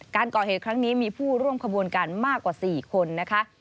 การก่อเหตุครั้งนี้มีผู้ร่วมขบวนการมากกว่า๔คนนะคะ